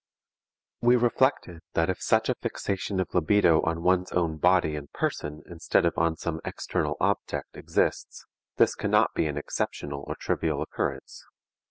We reflected that if such a fixation of libido on one's own body and person instead of on some external object exists, this cannot be an exceptional or trivial occurrence.